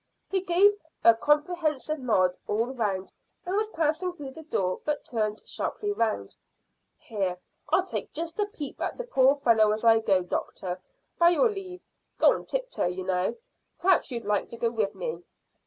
He gave a comprehensive nod all round and was passing through the door, but turned sharply round. "Here, I'll just take a peep at the poor fellow as I go, doctor, by your leave Go on tip toe, you know. P'r'aps you'd like to go with me."